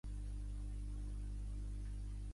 Com et trobes d'ànims ara, Jordi?